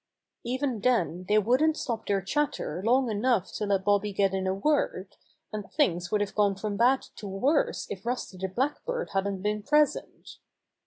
Even then they w^ouldn't stop their chatter long enough to let Bobby get in a word, and things would have gone from bad to worse if Rusty the Blackbird hadn't been present.